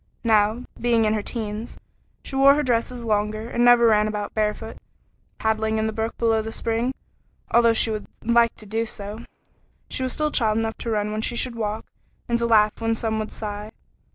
Now, being in her teens, she wore her dresses longer and never ran about barefooted, paddling in the brook below the spring, although she would like to do so; still she was child enough to run when she should walk, and to laugh when some would sigh.